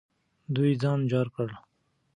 دوی ځان جار کړ.